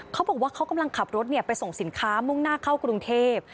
เขาบอกว่าเขากำลังขับรถไปส่งสินค้ามุ่งหน้าเข้ากรุงเทพ